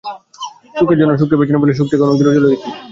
সুখের জন্য, সুখকে পেছনে ফেলে, সুখ থেকে অনেক দূরে চলে গেছি।